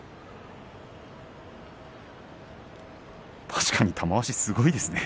確かに玉鷲すごいですね。